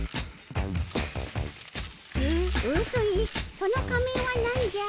うすいその仮面はなんじゃ？